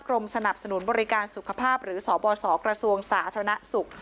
กรมสนับสนุนบริการสุขภาพหรือสบสกระทรวงสาธารณสุข